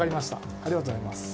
ありがとうございます。